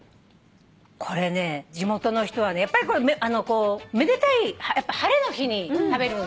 これね地元の人はねめでたい晴れの日に食べる。